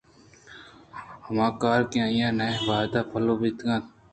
ھما کار کہ نی ئیں وھد ءَ پیلو بیتگ اَنت